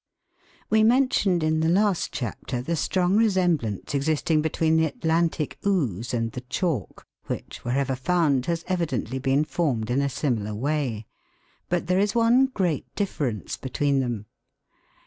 WE mentioned in the last chapter the strong resem blance existing between the Atlantic ooze and the chalk, which, wherever found, has evidently been formed in a similar way. But there is one great difference between them.